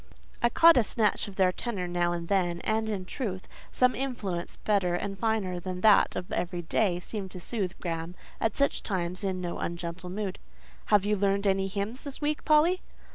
I caught a snatch of their tenor now and then; and, in truth, some influence better and finer than that of every day, seemed to soothe Graham at such times into no ungentle mood. "Have you learned any hymns this week, Polly?"